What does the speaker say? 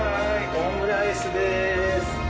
オムライスです。